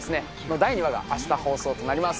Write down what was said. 第２話が明日放送となります